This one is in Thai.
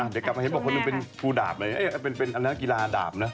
เดี๋ยวกลับมาเฮ่ยนี่บอกตัวหนึ่งเป็นอันนางกีฬาด่าม